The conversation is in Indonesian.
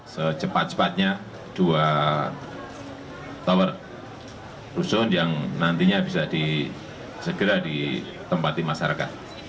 secepat cepatnya dua tower rusun yang nantinya bisa segera ditempati masyarakat